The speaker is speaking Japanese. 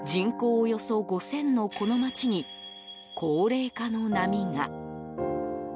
およそ５０００のこの町に高齢化の波が。